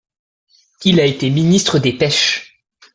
Il a été ministre des Pêches.